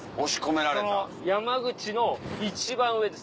山口の一番上です。